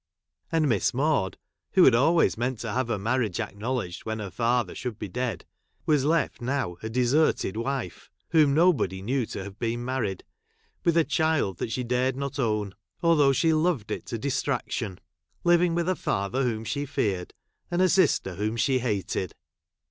And Miss Maude, I who had always meant to have her marriage aekuow'ledged when her father should be dead, was left now a deserted wife — whom nobody knew to have been married — with a child that she dared not own, although she loved it to distraction ; living with a father v.diom she feared, and a sister whom she hated.